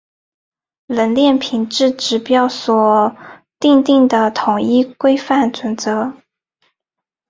冷链品质指标所订定的统一规范准则。